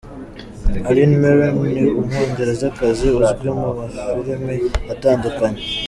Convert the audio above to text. Helen Mirren ni umwongerezakazi uzwi mu mafilimi atandukanye.